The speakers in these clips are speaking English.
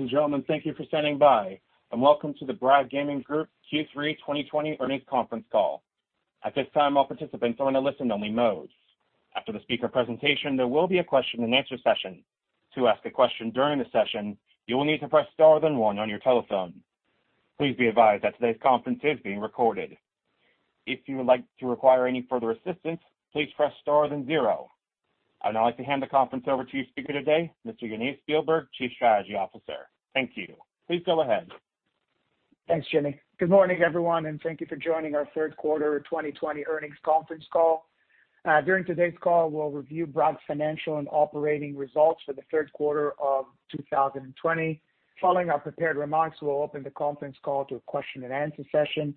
Ladies and gentlemen, thank you for standing by, and welcome to the Bragg Gaming Group Q3 2020 earnings conference call. At this time, all participants are in a listen only mode. After the speaker presentation, there will be a question and answer session. To ask a question during the session, you will need to press star then one on your telephone. Please be advised that today's conference is being recorded. If you would like to require any further assistance, please press star then zero. I'd now like to hand the conference over to your speaker today, Mr. Yaniv Spielberg, Chief Strategy Officer. Thank you. Please go ahead. Thanks, Jimmy. Good morning, everyone, and thank you for joining our third quarter 2020 earnings conference call. During today's call, we'll review Bragg's financial and operating results for the third quarter of 2020. Following our prepared remarks, we'll open the conference call to a question and answer session.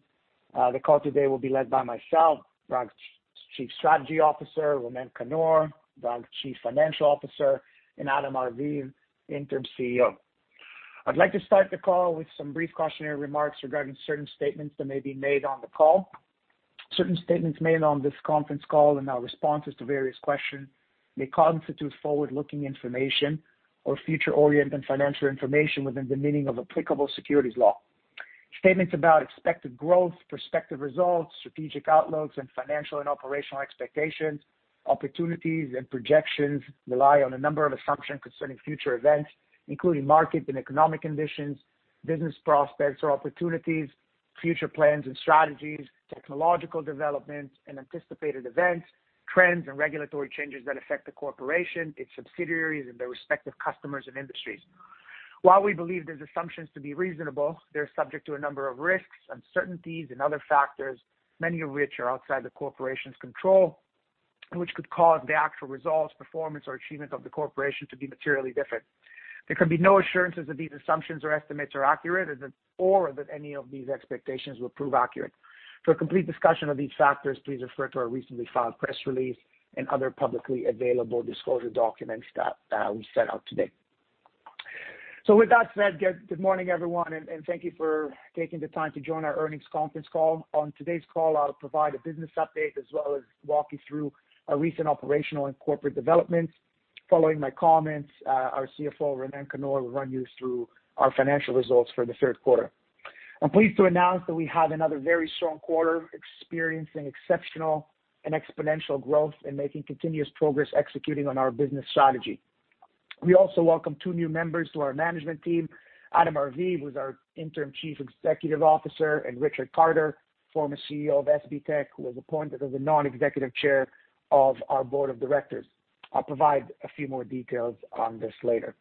The call today will be led by myself, Bragg's Chief Strategy Officer, Ronen Kannor, Bragg's Chief Financial Officer, and Adam Arviv, Interim CEO. I'd like to start the call with some brief cautionary remarks regarding certain statements that may be made on the call. Certain statements made on this conference call and our responses to various questions may constitute forward-looking information or future-oriented financial information within the meaning of applicable securities law. Statements about expected growth, prospective results, strategic outlooks, and financial and operational expectations, opportunities, and projections rely on a number of assumptions concerning future events, including market and economic conditions, business prospects or opportunities, future plans and strategies, technological developments and anticipated events, trends, and regulatory changes that affect the corporation, its subsidiaries, and their respective customers and industries. While we believe these assumptions to be reasonable, they're subject to a number of risks, uncertainties, and other factors, many of which are outside the corporation's control, which could cause the actual results, performance, or achievements of the corporation to be materially different. There can be no assurances that these assumptions or estimates are accurate, or that any of these expectations will prove accurate. For a complete discussion of these factors, please refer to our recently filed press release and other publicly available disclosure documents that we set out today. With that said, good morning, everyone, and thank you for taking the time to join our earnings conference call. On today's call, I'll provide a business update as well as walk you through our recent operational and corporate developments. Following my comments, our CFO, Ronen Kannor, will run you through our financial results for the third quarter. I'm pleased to announce that we had another very strong quarter, experiencing exceptional and exponential growth and making continuous progress executing on our business strategy. We also welcome two new members to our management team, Adam Arviv, who's our Interim Chief Executive Officer, and Richard Carter, former CEO of SBTech, who was appointed as the Non-Executive Chair of our board of directors. I'll provide a few more details on this later.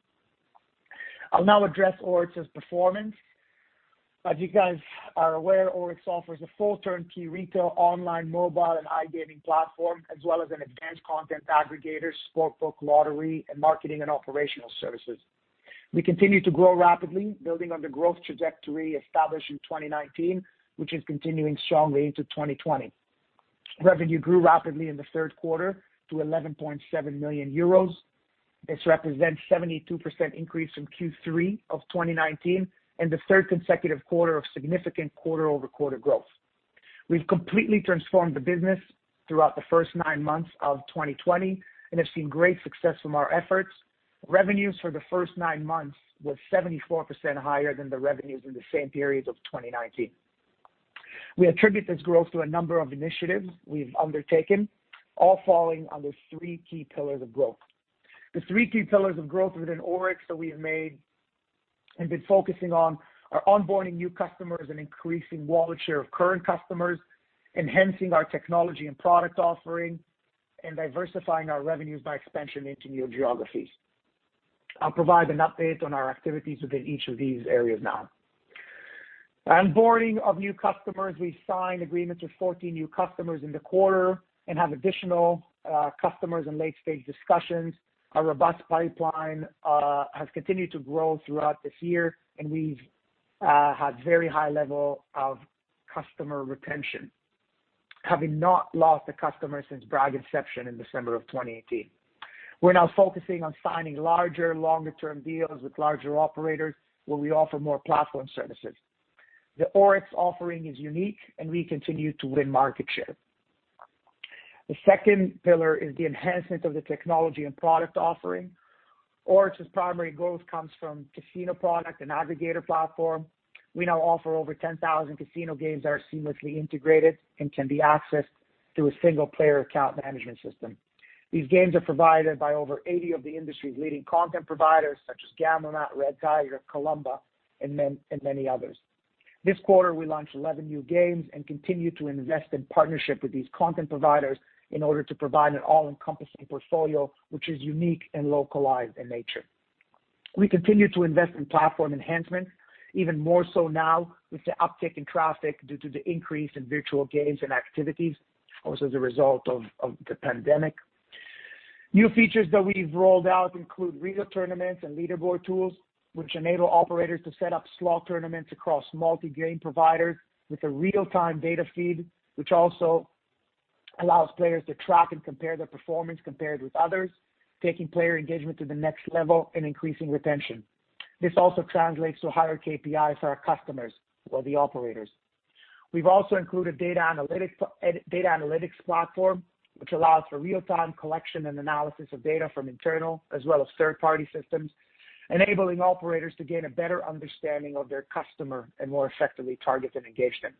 I'll now address Oryx's performance. As you guys are aware, Oryx offers a full turnkey retail, online, mobile, and iGaming platform, as well as an advanced content aggregator, sportsbook, lottery, and marketing and operational services. We continue to grow rapidly, building on the growth trajectory established in 2019, which is continuing strongly into 2020. Revenue grew rapidly in the third quarter to 11.7 million euros. This represents 72% increase from Q3 of 2019 and the third consecutive quarter of significant quarter-over-quarter growth. We've completely transformed the business throughout the first nine months of 2020 and have seen great success from our efforts. Revenues for the first nine months were 74% higher than the revenues in the same period of 2019. We attribute this growth to a number of initiatives we've undertaken, all falling under three key pillars of growth. The three key pillars of growth within Oryx that we have made and been focusing on are onboarding new customers and increasing wallet share of current customers, enhancing our technology and product offering, and diversifying our revenues by expansion into new geographies. I'll provide an update on our activities within each of these areas now. Onboarding of new customers, we signed agreements with 14 new customers in the quarter and have additional customers in late-stage discussions. Our robust pipeline has continued to grow throughout this year, and we've had very high level of customer retention, having not lost a customer since Bragg inception in December of 2018. We're now focusing on signing larger, longer term deals with larger operators where we offer more platform services. The Oryx offering is unique, and we continue to win market share. The second pillar is the enhancement of the technology and product offering. Oryx's primary growth comes from casino product and aggregator platform. We now offer over 10,000 casino games that are seamlessly integrated and can be accessed through a single player account management system. These games are provided by over 80 of the industry's leading content providers such as Gamomat, Red Tiger, Kalamba, and many others. This quarter, we launched 11 new games and continue to invest in partnership with these content providers in order to provide an all-encompassing portfolio, which is unique and localized in nature. We continue to invest in platform enhancements, even more so now with the uptick in traffic due to the increase in virtual games and activities, also as a result of the pandemic. New features that we've rolled out include retail tournaments and leaderboard tools, which enable operators to set up slot tournaments across multi-game providers with a real-time data feed, which also allows players to track and compare their performance compared with others, taking player engagement to the next level and increasing retention. This also translates to higher KPIs for our customers or the operators. We've also included data analytics platform, which allows for real-time collection and analysis of data from internal as well as third-party systems, enabling operators to gain a better understanding of their customer and more effectively target and engage them.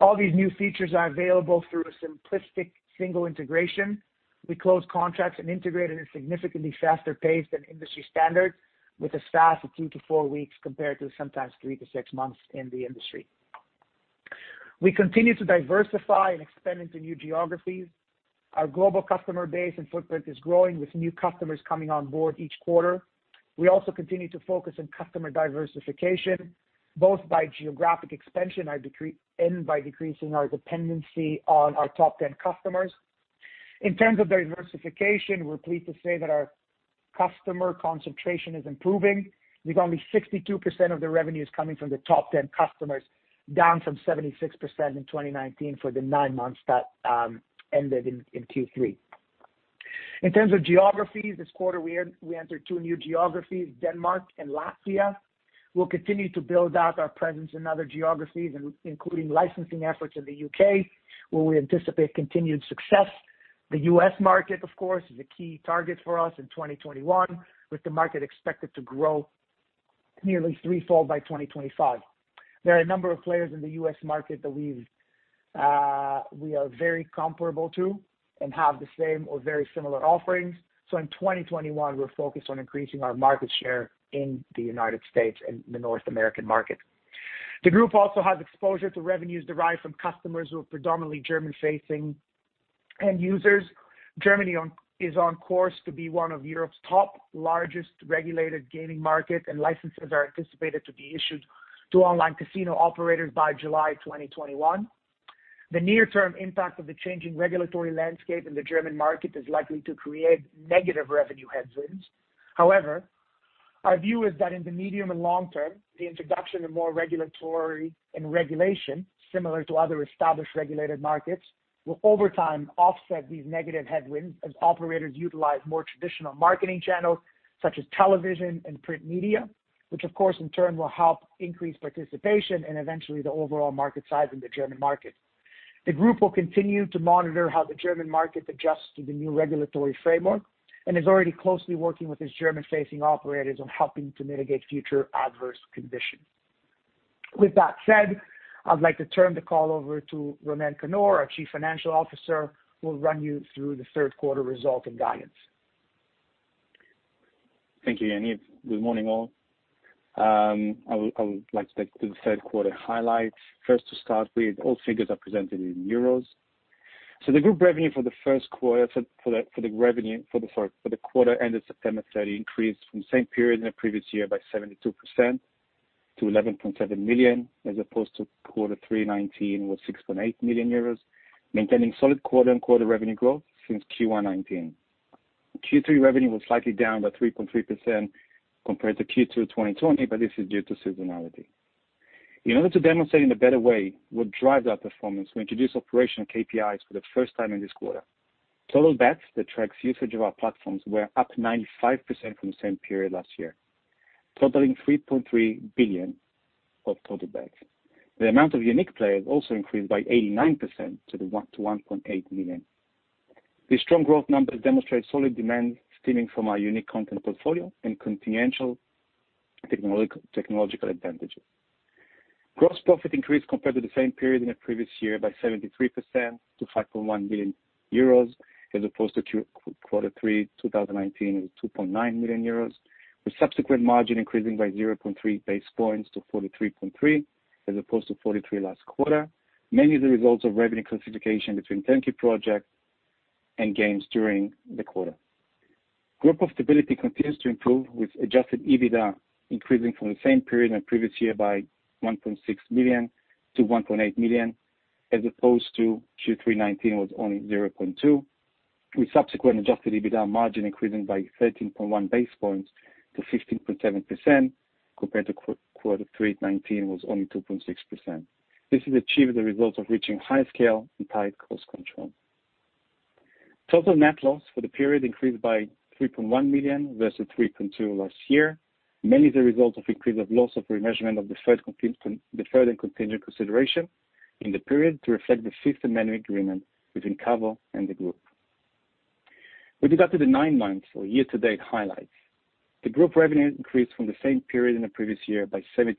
All these new features are available through a simplistic single integration. We close contracts and integrate at a significantly faster pace than industry standard, with as fast as two to four weeks, compared to sometimes three to six months in the industry. We continue to diversify and expand into new geographies. Our global customer base and footprint is growing, with new customers coming on board each quarter. We also continue to focus on customer diversification, both by geographic expansion and by decreasing our dependency on our top 10 customers. In terms of diversification, we're pleased to say that our customer concentration is improving, with only 62% of the revenues coming from the top 10 customers, down from 76% in 2019 for the nine months that ended in Q3. In terms of geographies, this quarter, we entered two new geographies, Denmark and Latvia. We'll continue to build out our presence in other geographies, including licensing efforts in the U.K., where we anticipate continued success. The U.S. market, of course, is a key target for us in 2021, with the market expected to grow nearly threefold by 2025. There are a number of players in the U.S. market that we are very comparable to and have the same or very similar offerings. In 2021, we're focused on increasing our market share in the United States and the North American market. The group also has exposure to revenues derived from customers who are predominantly German-facing end users. Germany is on course to be one of Europe's top largest regulated gaming markets, and licenses are anticipated to be issued to online casino operators by July 2021. The near-term impact of the changing regulatory landscape in the German market is likely to create negative revenue headwinds. However, our view is that in the medium and long term, the introduction of more regulatory and regulation similar to other established regulated markets will, over time, offset these negative headwinds as operators utilize more traditional marketing channels such as television and print media, which, of course, in turn will help increase participation and eventually the overall market size in the German market. The group will continue to monitor how the German market adjusts to the new regulatory framework and is already closely working with its German-facing operators on helping to mitigate future adverse conditions. With that said, I'd like to turn the call over to Ronen Kannor, our Chief Financial Officer, who will run you through the third quarter results and guidance. Thank you, Yaniv. Good morning, all. I would like to take the third quarter highlights. To start with, all figures are presented in euros. The group revenue for the quarter ended September 30 increased from the same period in the previous year by 72% to 11.7 million, as opposed to quarter three 2019, with 6.8 million euros, maintaining solid quarter-on-quarter revenue growth since Q1 2019. Q3 revenue was slightly down by 3.3% compared to Q2 2020, this is due to seasonality. In order to demonstrate in a better way what drives our performance, we introduce operational KPIs for the first time in this quarter. Total bets that tracks usage of our platforms were up 95% from the same period last year, totaling 3.3 billion of total bets. The amount of unique players also increased by 89% to 1.8 million. These strong growth numbers demonstrate solid demand stemming from our unique content portfolio and continual technological advantages. Gross profit increased compared to the same period in the previous year by 73% to 5.1 million euros, as opposed to quarter three 2019 with 2.9 million euros, with subsequent margin increasing by 0.3 basis points to 43.3% as opposed to 43% last quarter, mainly the results of revenue classification between turnkey projects and games during the quarter. Group profitability continues to improve, with adjusted EBITDA increasing from the same period in the previous year by 1.6 million to 1.8 million, as opposed to Q3 2019 was only 0.2 million, with subsequent adjusted EBITDA margin increasing by 13.1 basis points to 15.7% compared to quarter three 2019 was only 2.6%. This is achieved as a result of reaching high scale and tight cost control. Total net loss for the period increased by 3.1 million versus 3.2 million last year, mainly the result of increase of loss of remeasurement of deferred and contingent consideration in the period to reflect the fifth amendment agreement between K.A.V.O. and the group. With regard to the nine months or year-to-date highlights, the group revenue increased from the same period in the previous year by 74%,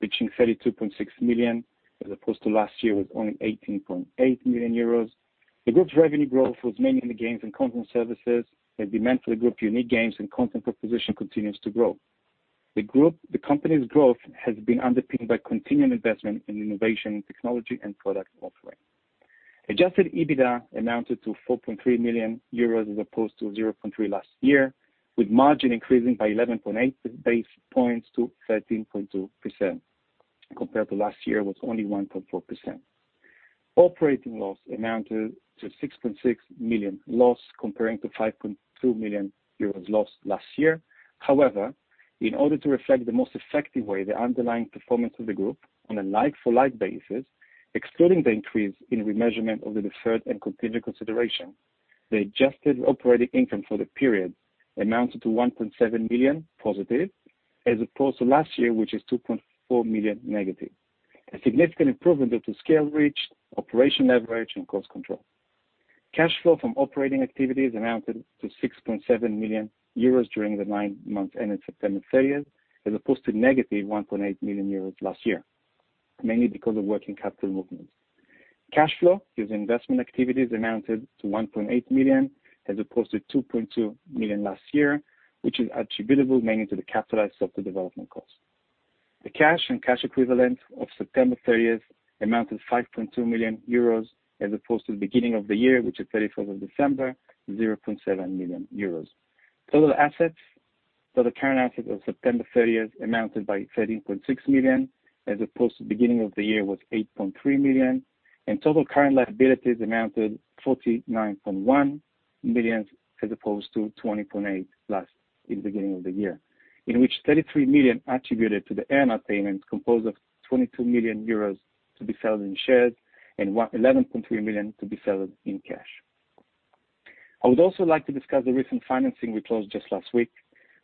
reaching 32.6 million, as opposed to last year with only 18.8 million euros. The group's revenue growth was mainly in the games and content services that demonstrate the group unique games and content proposition continues to grow. The company's growth has been underpinned by continuing investment in innovation, technology, and product offering. Adjusted EBITDA amounted to 4.3 million euros, as opposed to 0.3 million last year, with margin increasing by 11.8 basis points to 13.2% compared to last year was only 1.4%. Operating loss amounted to 6.6 million loss comparing to 5.2 million euros loss last year. In order to reflect the most effective way the underlying performance of the group on a like-for-like basis, excluding the increase in remeasurement of the deferred and contingent consideration. The adjusted operating income for the period amounted to 1.7 million positive, as opposed to last year, which is 2.4 million negative. A significant improvement due to scale reach, operation leverage, and cost control. Cash flow from operating activities amounted to 6.7 million euros during the nine months ended September 30th, as opposed to -1.8 million euros last year, mainly because of working capital movements. Cash flow using investment activities amounted to 1.8 million as opposed to 2.2 million last year, which is attributable mainly to the capitalized software development cost. The cash and cash equivalent of September 30th amounted 5.2 million euros as opposed to the beginning of the year, which is December 31st, 0.7 million euros. Total assets for the current assets of September 30th amounted by 13.6 million as opposed to beginning of the year was 8.3 million, and total current liabilities amounted 49.1 million as opposed to 20.8 million last, in the beginning of the year, in which 33 million attributed to the earnout payment composed of 22 million euros to be settled in shares and 11.3 million to be settled in cash. I would also like to discuss the recent financing we closed just last week.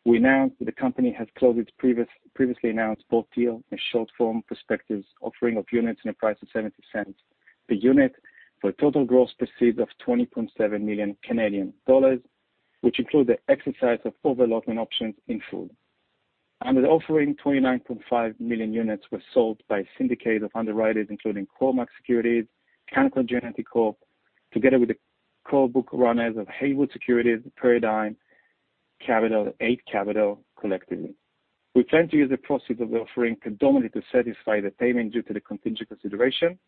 We announced that the company has closed its previously announced bought deal, a short-form prospectus offering of units in a price of per unit for a total gross proceeds of 20.7 million Canadian dollars, which include the exercise of overallotment options in full. Under the offering, 29.5 million units were sold by a syndicate of underwriters, including Cormark Securities, Canaccord Genuity Corp, together with the co-book runners of Haywood Securities, Paradigm Capital, Eight Capital collectively. We plan to use the proceeds of the offering predominantly to satisfy the payment due to the contingent consideration,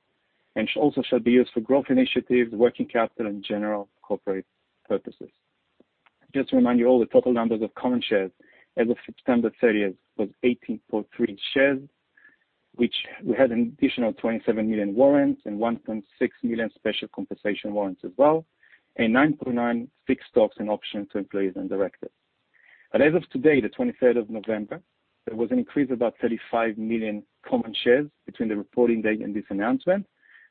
and also shall be used for growth initiatives, working capital, and general corporate purposes. Just to remind you all, the total numbers of common shares as of September 30th was 18.3 million shares, which we had an additional 27 million warrants and 1.6 million special compensation warrants as well, and 9.9 fixed stocks and options to employees and directors. As of today, the 23rd of November, there was an increase about 35 million common shares between the reporting date and this announcement,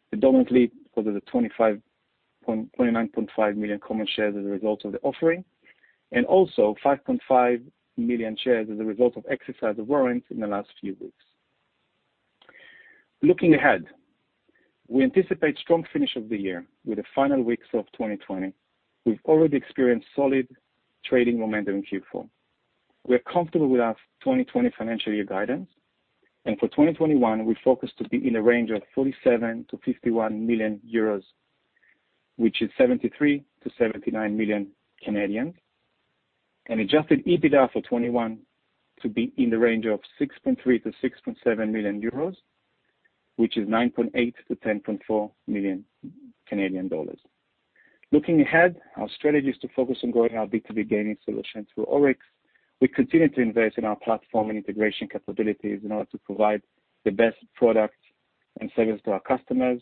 predominantly for the 29.5 million common shares as a result of the offering, and also 5.5 million shares as a result of exercise of warrants in the last few weeks. Looking ahead, we anticipate strong finish of the year with the final weeks of 2020. We've already experienced solid trading momentum in Q4. We are comfortable with our 2020 financial year guidance, for 2021, we focus to be in the range of 47 million-51 million euros, which is 73 million-79 million, and adjusted EBITDA for 2021 to be in the range of 6.3 million-6.7 million euros, which is 9.8 million-10.4 million Canadian dollars. Looking ahead, our strategy is to focus on growing our B2B gaming solution through Oryx. We continue to invest in our platform and integration capabilities in order to provide the best products and service to our customers.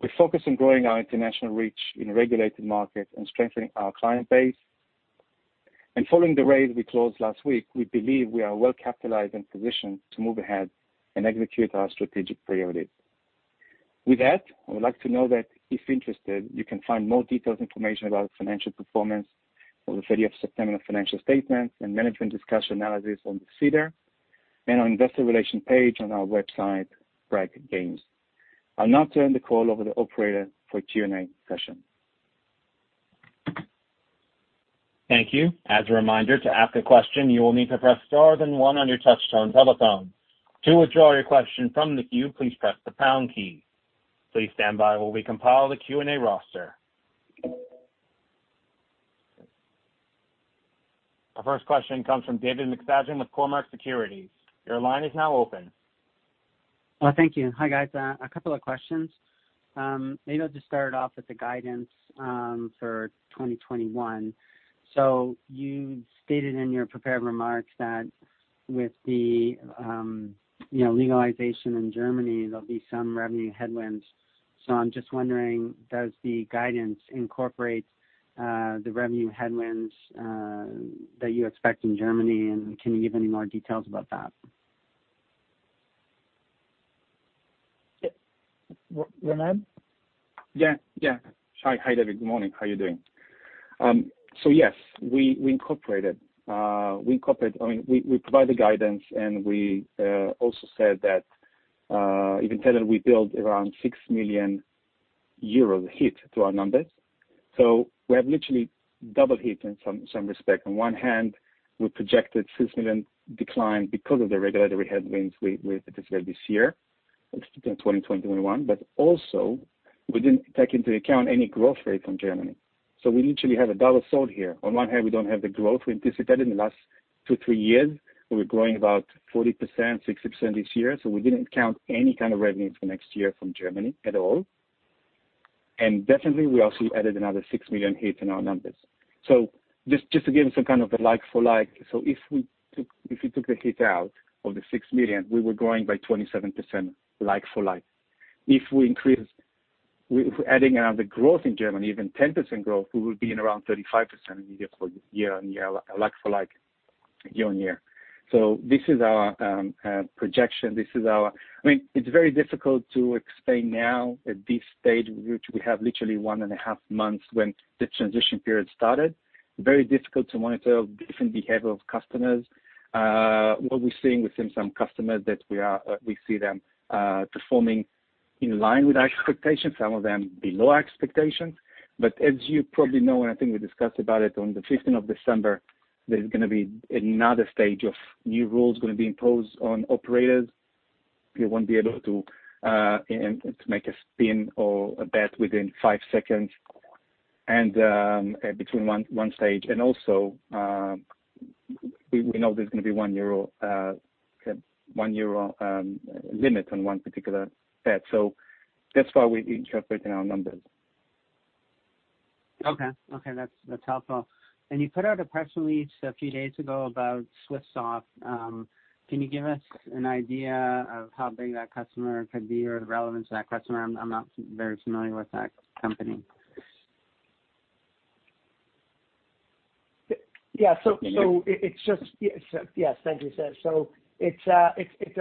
We focus on growing our international reach in regulated markets and strengthening our client base. Following the raise we closed last week, we believe we are well capitalized and positioned to move ahead and execute our strategic priorities. I would like to know that if interested, you can find more detailed information about our financial performance for the 30th of September financial statements and management discussion analysis on the SEDAR and our investor relation page on our website, bragg games. I'll now turn the call over to the operator for Q&A session. Thank you. As a reminder, to ask a question, you will need to press star then one on your touchtone telephone. To withdraw your question from the queue, please press the pound key. Please stand by while we compile the Q&A roster. Our first question comes from David McFadgen with Cormark Securities. Your line is now open. Well, thank you. Hi, guys. A couple of questions. Maybe I'll just start off with the guidance for 2021. You stated in your prepared remarks that with the legalization in Germany, there'll be some revenue headwinds. I'm just wondering, does the guidance incorporate the revenue headwinds that you expect in Germany, and can you give any more details about that? Yeah. Ronen? Yeah. Hi, David. Good morning. How are you doing? Yes, we incorporate it. We provide the guidance, and we also said that, you can tell that we build around 6 million euros hit to our numbers. We have literally double hit in some respect. On one hand, we projected 6 million decline because of the regulatory headwinds we anticipated this year in 2021, but also we didn't take into account any growth rate from Germany. We literally have a double sword here. On one hand, we don't have the growth we anticipated in the last two, three years. We were growing about 40%, 60% each year, We didn't count any kind of revenue for next year from Germany at all. Definitely, we also added another 6 million hit in our numbers. Just to give some kind of a like for like, if we took the hit out of the 6 million, we were growing by 27% like for like. If we're adding another growth in Germany, even 10% growth, we will be in around 35% like for like year-on-year. This is our projection. It's very difficult to explain now at this stage, which we have literally one and a half months when the transition period started. Very difficult to monitor different behavior of customers. What we're seeing within some customers that we see them performing in line with our expectations, some of them below expectations. As you probably know, and I think we discussed about it, on the 15th of December, there's going to be another stage of new rules going to be imposed on operators. You won't be able to make a spin or a bet within five seconds and between one stage. Also, we know there's going to be 1 euro limit on one particular bet. That's why we interpreting our numbers. Okay. That's helpful. You put out a press release a few days ago about [Swiss soft]. Can you give us an idea of how big that customer could be or the relevance of that customer? I'm not very familiar with that company. Yeah. Can you hear? Yes. Thank you, Seth. It's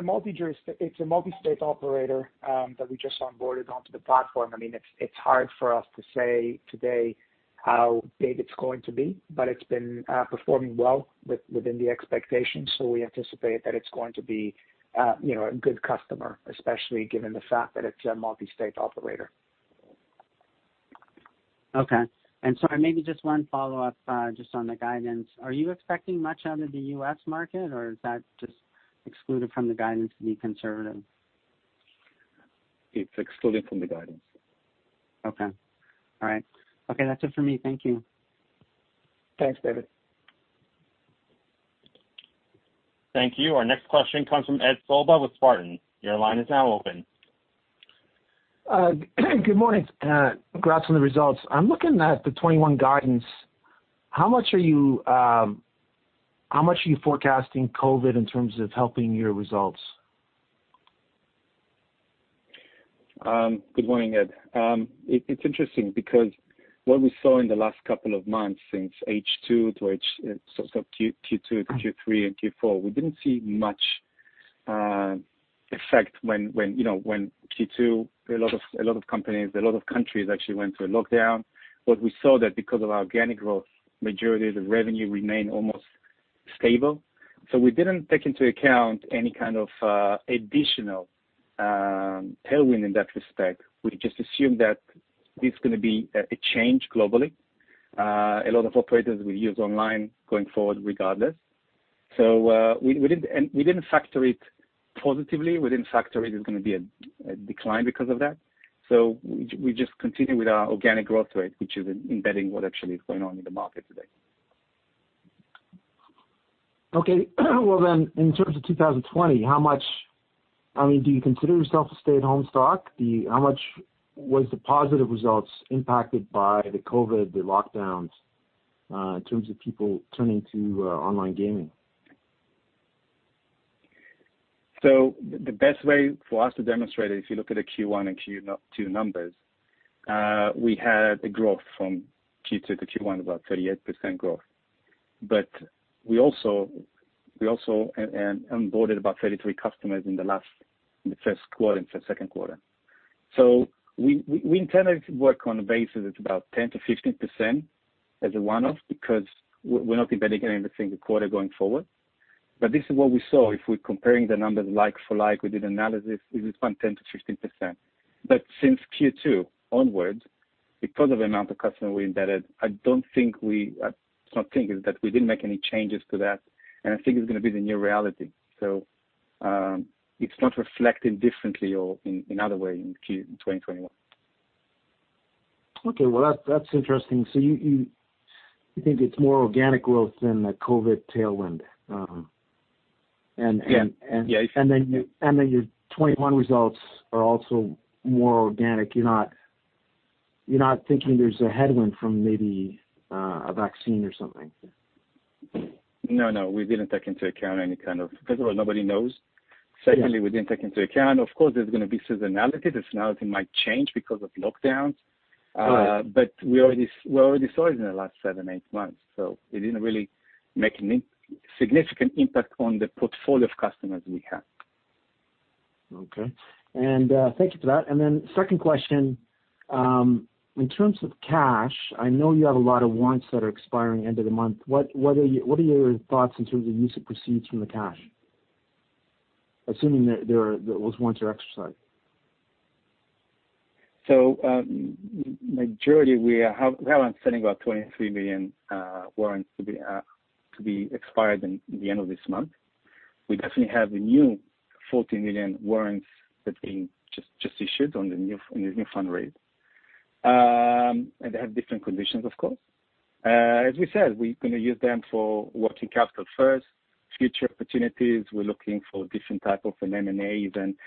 a multi-state operator that we just onboarded onto the platform. It's hard for us to say today how big it's going to be, but it's been performing well within the expectations. We anticipate that it's going to be a good customer, especially given the fact that it's a multi-state operator. Okay. Sorry, maybe just one follow-up just on the guidance. Are you expecting much out of the U.S. market, or is that just excluded from the guidance to be conservative? It's excluded from the guidance. Okay. All right. Okay, that's it for me. Thank you. Thanks, David. Thank you. Our next question comes from Ed Sollbach with Spartan. Your line is now open. Good morning. Congrats on the results. I'm looking at the 2021 guidance. How much are you forecasting COVID in terms of helping your results? Good morning, Ed. It's interesting because what we saw in the last couple of months since Q2 to Q3 and Q4, we didn't see much effect when Q2, a lot of companies, a lot of countries actually went to a lockdown. What we saw that because of our organic growth, majority of the revenue remained almost stable. We didn't take into account any kind of additional tailwind in that respect. We just assumed that it's going to be a change globally. A lot of operators will use online going forward regardless. We didn't factor it positively. We didn't factor it as going to be a decline because of that. We just continue with our organic growth rate, which is embedding what actually is going on in the market today. Okay. Well, in terms of 2020, do you consider yourself a stay-at-home stock? How much was the positive results impacted by the COVID, the lockdowns, in terms of people turning to online gaming? The best way for us to demonstrate it is if you look at the Q1 and Q2 numbers. We had a growth from Q2 to Q1, about 38% growth. We also onboarded about 33 customers in the first quarter and second quarter. We intended to work on a basis that's about 10%-15% as a one-off because we're not embedding anything in the quarter going forward. This is what we saw. If we're comparing the numbers like for like, we did analysis, it is about 10%-15%. Since Q2 onwards, because of the amount of customer we embedded, it's not thinking that we didn't make any changes to that, and I think it's going to be the new reality. It's not reflected differently or in other way in 2021. Okay. Well, that's interesting. You think it's more organic growth than a COVID tailwind? Yeah. Your 2021 results are also more organic. You're not thinking there's a headwind from maybe a vaccine or something? No, we didn't take into account first of all, nobody knows. Secondly, we didn't take into account, of course, there's going to be seasonality. Seasonality might change because of lockdowns. Right. We already saw it in the last seven, eight months. It didn't really make any significant impact on the portfolio of customers we have. Okay. Thank you for that. Then second question, in terms of cash, I know you have a lot of warrants that are expiring end of the month. What are your thoughts in terms of use of proceeds from the cash, assuming that those warrants are exercised? Majority, we have outstanding about 23 million warrants to be expired in the end of this month. We definitely have the new 14 million warrants that have been just issued on the new fund raise. They have different conditions, of course. As we said, we're going to use them for working capital first, future opportunities. We're looking for different type of M&As and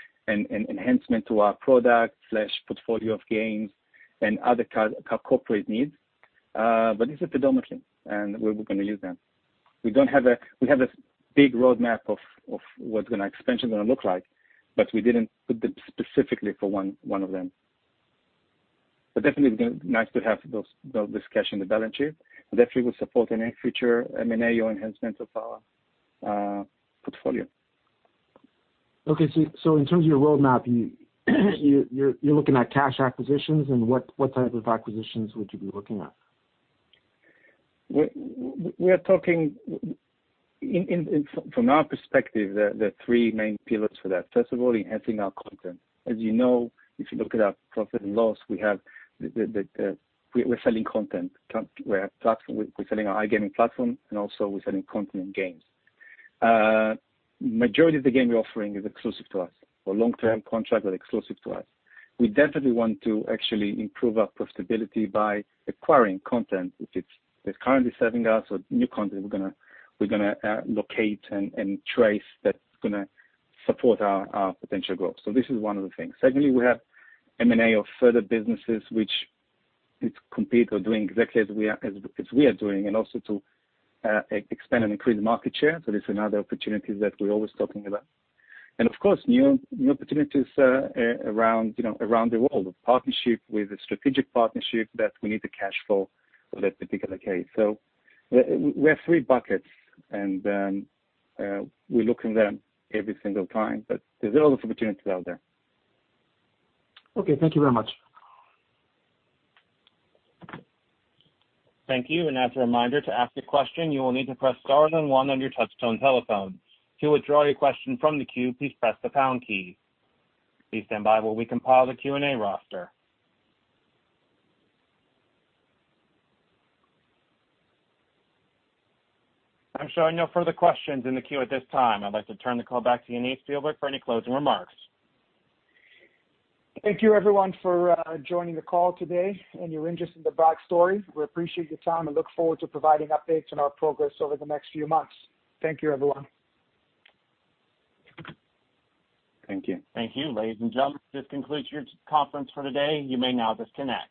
enhancement to our product/portfolio of games and other corporate needs. This is predominantly, and where we're going to use them. We have a big roadmap of what expansion going to look like, but we didn't put them specifically for one of them. Definitely, it's been nice to have this cash in the balance sheet. It definitely will support any future M&A or enhancement of our portfolio. Okay. In terms of your roadmap, you're looking at cash acquisitions, and what type of acquisitions would you be looking at? From our perspective, there are three main pillars for that. First of all, enhancing our content. As you know, if you look at our profit and loss, we're selling content. We're selling our iGaming platform, and also we're selling content and games. Majority of the game we're offering is exclusive to us, or long-term contract but exclusive to us. We definitely want to actually improve our profitability by acquiring content that's currently serving us or new content we're going to locate and trace that's going to support our potential growth. This is one of the things. Secondly, we have M&A of further businesses, which is compete or doing exactly as we are doing, and also to expand and increase market share. This is another opportunity that we're always talking about. Of course, new opportunities around the world, partnership with a strategic partnership that we need the cash flow for that particular case. We have three buckets, and we look in them every single time. There's a lot of opportunities out there. Okay. Thank you very much. Thank you. I'd like to turn the call back to Yaniv Spielberg for any closing remarks. Thank you everyone for joining the call today and your interest in the Bragg story. We appreciate your time and look forward to providing updates on our progress over the next few months. Thank you, everyone. Thank you. Ladies and gentlemen, this concludes your conference for today. You may now disconnect.